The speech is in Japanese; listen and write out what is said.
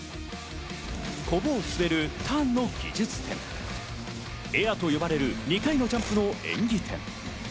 コブを滑るターンの技術点、エアと呼ばれる２回のジャンプの演技点。